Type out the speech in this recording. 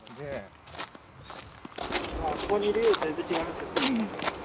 あそこにいるより全然違いますよね。